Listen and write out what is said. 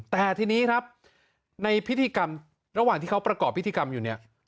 แต่ทีนี้ครับในพิธีกรรมระหว่างที่เขาประกอบพิธีกรรมอยู่เนี่ย